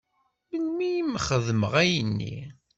Melmi i m-xedmeɣ ayenni?